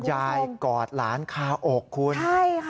ยายกอดหลานคออกคุณ